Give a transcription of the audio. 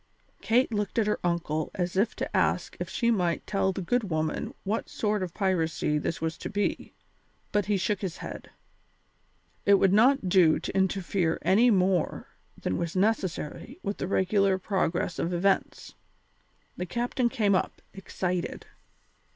Kate looked at her uncle as if to ask if she might tell the good woman what sort of a piracy this was to be, but he shook his head. It would not do to interfere any more than was necessary with the regular progress of events. The captain came up, excited.